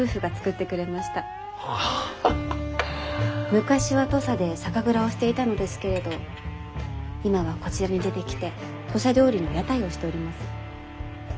昔は土佐で酒蔵をしていたのですけれど今はこちらに出てきて土佐料理の屋台をしております。